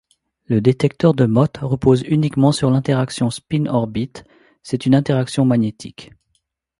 Le détecteur de Mott repose uniquement sur l’interaction spin orbite, c’est une interaction magnétique.